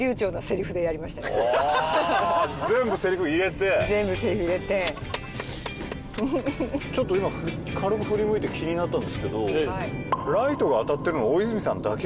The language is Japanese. ああ全部セリフ入れて全部セリフ入れてちょっと今軽く振り向いて気になったんですけどあら